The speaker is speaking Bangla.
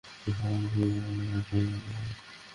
আরে কোনো বাক্সতে তো মাল থাকবে?